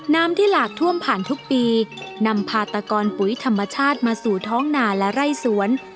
น้ำที่หลากท่วมผ่านทุกปีนำพาตกอนปุ๋ยธรรมชาติมาสู่ท้องหนาและไร่สวน